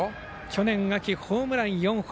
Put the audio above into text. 去年秋、ホームラン４本。